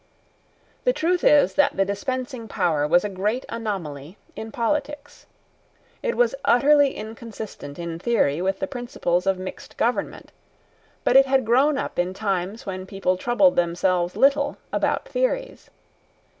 The truth is that the dispensing power was a great anomaly in politics. It was utterly inconsistent in theory with the principles of mixed government: but it had grown up in times when people troubled themselves little about theories.